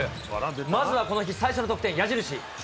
まずはこの日最初の得点、矢印。